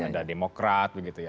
ada demokrat begitu ya